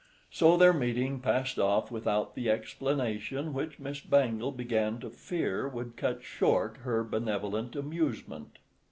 So, their meeting passed off without the explanation which Miss Bangle began to fear would cut short her benevolent amusement.